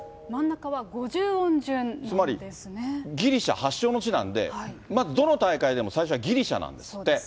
つまり、ギリシャ発祥の地なんで、まずどの大会でも最初はギリシャなんですって。